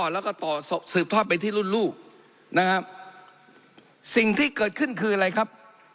แล้วก็ต่อสืบทอดไปที่รุ่นลูกนะครับสิ่งที่เกิดขึ้นคืออะไรครับ